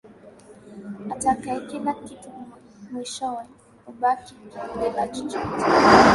Atakaye kila kitu mwishowe hubaki bila chochote.